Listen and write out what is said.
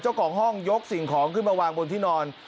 เจ้าของห้องยกสิ่งของขึ้นมาวางบนที่นอน